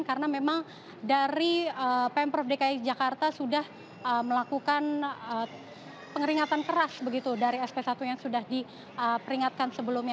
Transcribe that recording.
karena memang dari pemprov dki jakarta sudah melakukan pengeringatan keras dari sp satu yang sudah diperingatkan sebelumnya